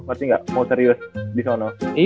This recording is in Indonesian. maksudnya gak mau serius disono